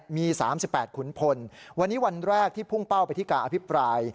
มี๓๘ขุนพลวันนี้วันแรกที่พุ่งเป้าไปที่การอภิปราย